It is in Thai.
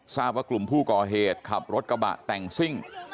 ทราบว่ากลุ่มผู้ก่อเหตุขับรถกระบะแต่งซิ่ง